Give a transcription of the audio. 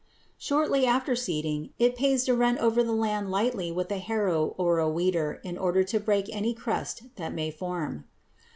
Shortly after seeding, it pays to run over the land lightly with a harrow or a weeder in order to break any crust that may form.